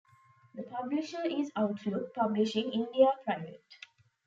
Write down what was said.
The publisher is Outlook Publishing India Pvt.